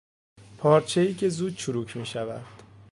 پارچهای که زود چروک میشود